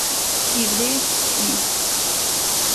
Yebḍa-yakent-ten-id.